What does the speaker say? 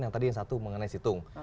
yang tadi yang satu mengenai situng